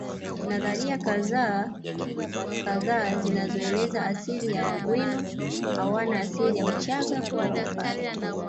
Nadharia kadha wa kadha zinazoeleza asili ya Wagweno hawana asili ya Uchaga wala Upare